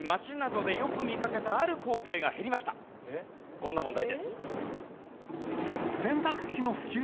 こんな問題です。